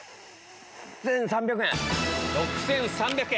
６３００円。